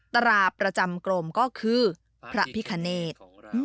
ตราประจำกรมก็คือพระพิคเนธ